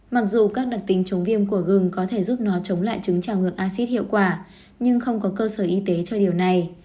mặc dù các đặc tính chống viêm của gừng có thể giúp nó chống lại chứng trào ngược acid hiệu quả nhưng không có cơ sở y tế cho điều này